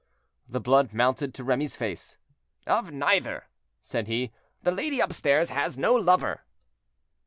The blood mounted to Remy's face. "Of neither," said he: "the lady upstairs has no lover."